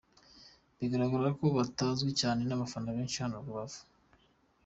Bigaragara ko batazwi cyane n’abafana benshi hano Rubavu.